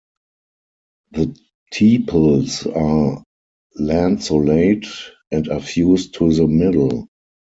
The tepals are lanceolate and are fused to the middle.